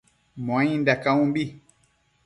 Muainda caumbi